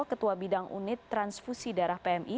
ketua bidang unit transfusi darah pmi